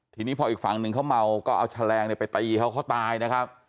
ทีนี้พออีกฝั่งหนึ่งเขาเมาก็เอาแฉลงไปตีเขาเขาตายนะครับ